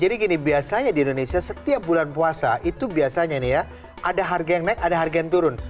jadi gini biasanya di indonesia setiap bulan puasa itu biasanya nih ya ada harga yang naik ada harga yang turun